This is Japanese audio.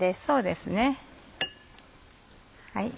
そうですね。